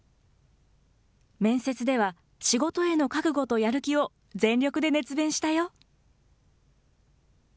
面接では仕事への覚悟とやる気を全力で熱弁したよ。